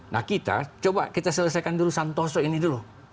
nah kita coba kita selesaikan dulu santoso ini dulu